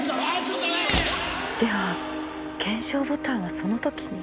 では肩章ボタンはその時に。